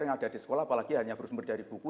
yang ada di sekolah apalagi hanya bersumber dari buku